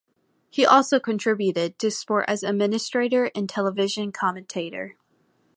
He also contributed to sport as administrator and television commentator.